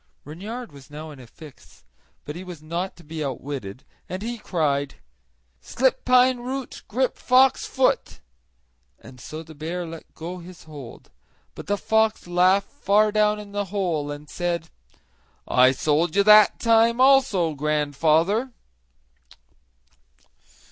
Reynard was now in a fix; but he was not to be outwitted, and he cried: "Slip pine root, grip fox foot," and so the bear let go his hold; but the fox laughed far down in the hole and said: "I sold you that time, also, grandfather!"